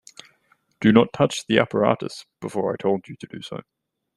Do not touch the apparatus before I told you to do so.